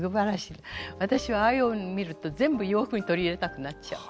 私はああいう帯見ると全部洋服に取り入れたくなっちゃう。